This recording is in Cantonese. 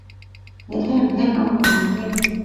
你聽唔聽到我講咩？